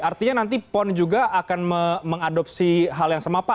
artinya nanti pon juga akan mengadopsi hal yang sama pak